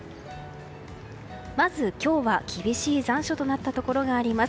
まず今日は厳しい残暑となったところがあります。